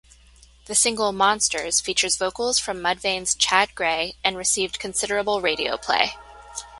The single "Monsters" features vocals from Mudvayne's Chad Gray and received considerable radio play.